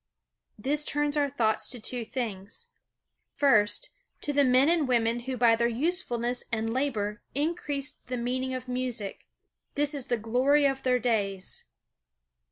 This turns our thoughts to two things: First, to the men and women who by their usefulness and labor increased the meaning of music. This is the glory of their days.